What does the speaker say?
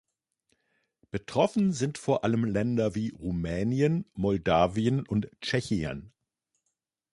Betroffen sind vor allem Länder wie Rumänien, Moldawien und Tschechien.